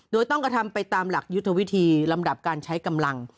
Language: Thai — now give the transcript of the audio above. โดยต้องกระทำไปตามหลักยุทธวิธีลำดับการใช้กำลัง